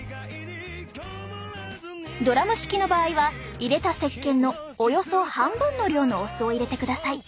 ドラム式の場合は入れたせっけんのおよそ半分の量のお酢を入れてください。